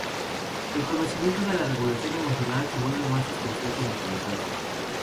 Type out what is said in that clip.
El conocimiento de la regulación emocional se vuelve más sustancial durante la infancia.